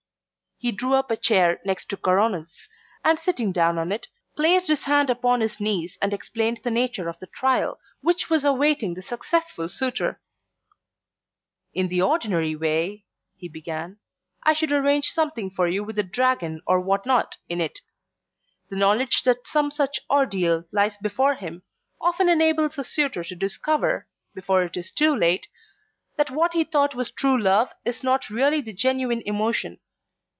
He drew up a chair next to Coronel's, and sitting down in it, placed his hand upon his knees and explained the nature of the trial which was awaiting the successful suitor. "In the ordinary way," he began, "I should arrange something for you with a dragon or what not in it. The knowledge that some such ordeal lies before him often enables a suitor to discover, before it is too late, that what he thought was true love is not really the genuine emotion.